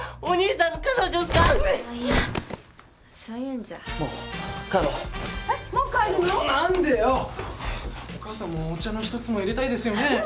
お母さんもお茶の一つも入れたいですよね？